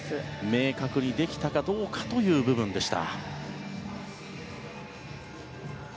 明確にできたかどうかという部分でした。